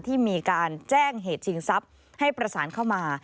ที่มีการแจ้งเหตุชิงทรัพย์ให้ประสานเข้ามา